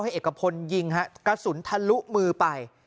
ให้เอกะพลยิงครับกระสุนทะลุมือไป